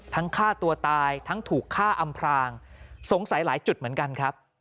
ฆ่าตัวตายทั้งถูกฆ่าอำพรางสงสัยหลายจุดเหมือนกันครับ